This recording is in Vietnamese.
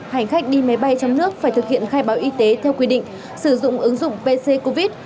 hành khách đi máy bay trong nước phải thực hiện khai báo y tế theo quy định sử dụng ứng dụng pc covid